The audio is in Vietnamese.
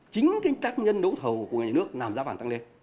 chính các nhân đấu thầu của ngân hàng nhà nước làm giá vàng tăng lên